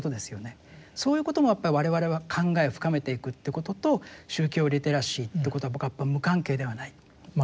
そういうこともやっぱり我々は考えを深めていくということと宗教リテラシーということは僕はやっぱり無関係ではない。